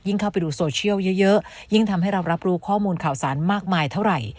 เข้าไปดูโซเชียลเยอะยิ่งทำให้เรารับรู้ข้อมูลข่าวสารมากมายเท่าไหร่